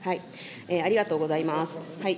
ありがとうございます。